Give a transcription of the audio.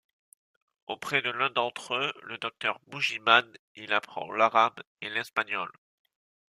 Auprès de l'un d'entre eux, le docteur Bougiman, il apprend l'arabe et l'espagnol.